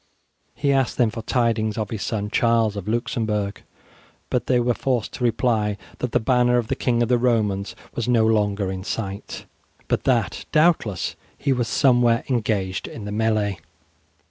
He asked them for tidings of his son Charles of Luxembourg, but they were forced to reply that the banner of the King of the Romans was no longer in sight, but that, doubtless, he was somewhere engaged in the melee.